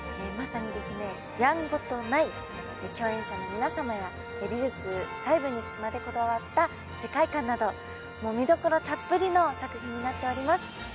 まさにですねやんごとない共演者の皆さまや美術細部にまでこだわった世界観など見どころたっぷりの作品になっております。